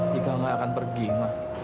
tiga gak akan pergi mak